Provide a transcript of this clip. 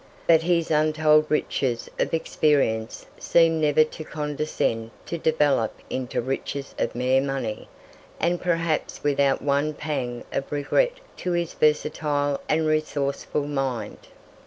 But his untold riches of experience seemed never to condescend to develop into riches of mere money and perhaps without one pang of regret to his versatile and resourceful mind.